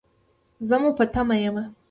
زه مو په تمه یم